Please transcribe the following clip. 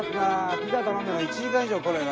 ピザ頼んだのに１時間以上来ねえな。